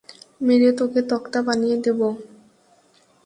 মেরে তোকে তক্তা বানিয়ে দেবো।